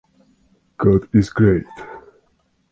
God is great.